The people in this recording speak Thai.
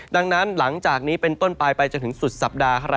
ดังนั้นหลังจากนี้เป็นต้นปลายไปจนถึงสุดสัปดาห์